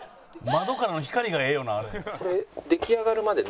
「窓からの光がええよな」